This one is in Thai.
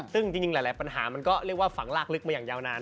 ซึ่งหลายปัญหามันก็ฝังลากลึกไปขนาดนี้ยาวนาน